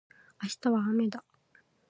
明日はあめだ